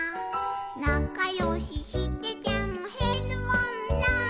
「なかよししててもへるもんな」